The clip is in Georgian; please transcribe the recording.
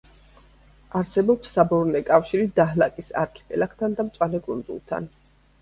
არსებობს საბორნე კავშირი დაჰლაკის არქიპელაგთან და მწვანე კუნძულთან.